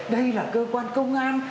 đây là cơ quan công an